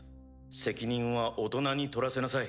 責任は大人に取らせなさい。